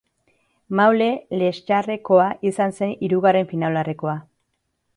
Maule-Lextarrekoa izan zen hirugarren finalaurrekoa.